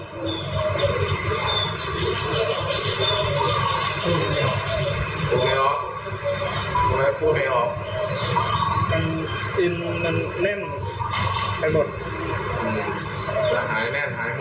มันอิ่มมันแน่นไม่หมด